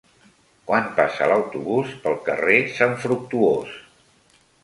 Quan passa l'autobús pel carrer Sant Fructuós?